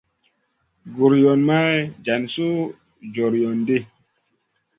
Guroyn may jan suh jorion ɗi.